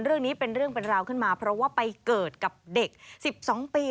เรื่องนี้เป็นเรื่องเป็นราวขึ้นมาเพราะว่าไปเกิดกับเด็ก๑๒ปี